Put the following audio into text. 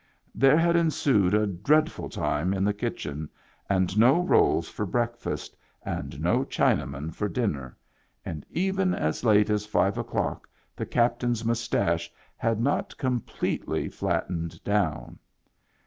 There had ensued a dreadful time in the kitchen, and no rolls for breakfast and no Chinaman for dinner, and even as late as five o'clock the captain's mustache had not completely flattened down.